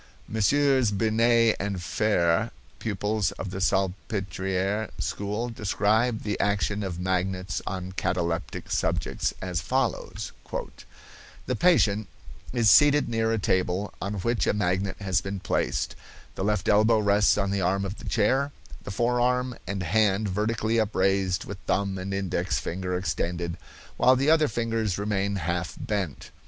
Messieurs Binet and Fere, pupils of the Salpetriere school, describe the action of magnets on cataleptic subjects, as follows: "The patient is seated near a table, on which a magnet has been placed, the left elbow rests on the arm of the chair, the forearm and hand vertically upraised with thumb and index finger extended, while the other fingers remain half bent.